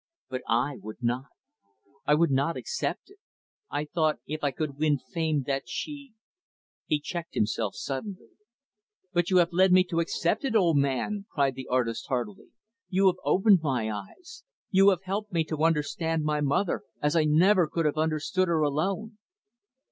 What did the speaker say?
But I would not. I would not accept it. I thought if I could win fame that she " he checked himself suddenly. "But you have led me to accept it, old man," cried the artist heartily. "You have opened my eyes. You have helped me to understand my mother, as I never could have understood her, alone."